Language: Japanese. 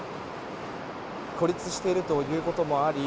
孤立しているということもあり